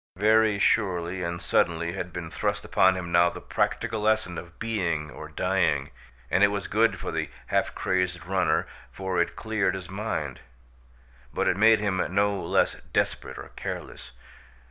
Very surely and suddenly had been thrust upon him now the practical lesson of being or dying, and it was good for the half crazed runner, for it cleared his mind. But it made him no less desperate or careless.